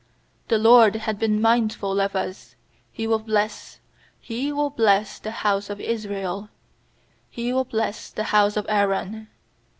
"The LORD hath been mindful of us, He will bless — He will bless the house of Israel; He will bless the house of Aaron.